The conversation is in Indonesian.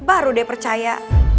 baru dia percaya